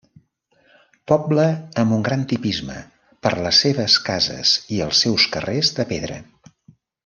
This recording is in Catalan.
Poble amb un gran tipisme per les seves cases i els seus carrers de pedra.